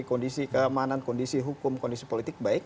kondisi keamanan kondisi hukum kondisi politik baik